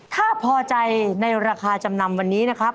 ถ้าพอใจในราคาจำนำวันนี้นะครับ